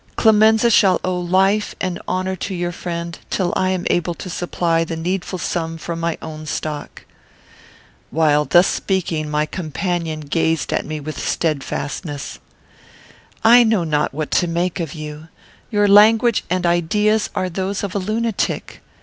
Clemenza shall owe life and honour to your friend, till I am able to supply the needful sum from my own stock." While thus speaking, my companion gazed at me with steadfastness: "I know not what to make of you. Your language and ideas are those of a lunatic.